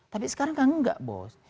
tapi sekarang kan enggak bos